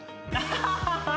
ハハハハ！